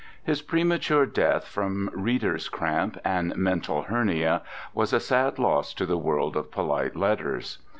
His premature death from reader's cramp and mental hernia was a sad loss to the world of polite letters.